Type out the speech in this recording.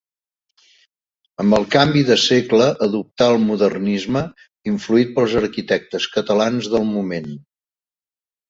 Amb el canvi de segle, adoptà el modernisme, influït pels arquitectes catalans del moment.